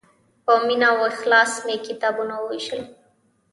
په مینه او اخلاص مې کتابونه ووېشل.